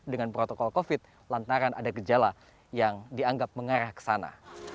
dengan protokol covid lantaran ada gejala yang dianggap mengarah ke sana